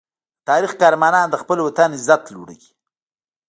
د تاریخ قهرمانان د خپل وطن عزت لوړوي.